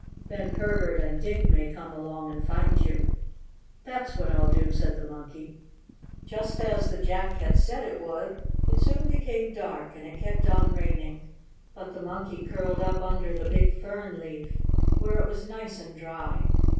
Then Herbert and Dick may come along and find you." "That's what I'll do," said the Monkey. Just as the Jack had said it would, it soon became dark, and it kept on raining. But the Monkey curled up under the big fern leaf, where it was nice and dry.